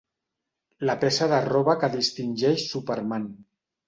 La peça de roba que distingeix Superman.